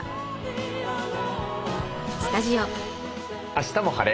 「あしたも晴れ！